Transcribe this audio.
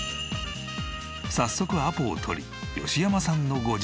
早速アポを取り吉山さんのご自宅へ。